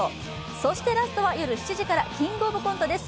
そしてラストは夜７時から「キングオブコント」です。